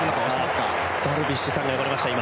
ダルビッシュさんが呼ばれました。